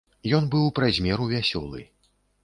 Ён быў праз меру вясёлы.